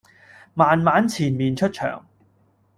慢慢纏綿出場